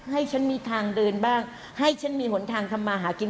ให้ฉันมีทางเดินบ้างให้ฉันมีหนทางทำมาหากิน